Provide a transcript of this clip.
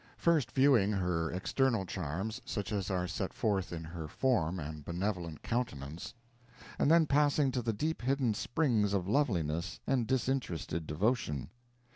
First viewing her external charms, such as set forth in her form and benevolent countenance, and then passing to the deep hidden springs of loveliness and disinterested devotion.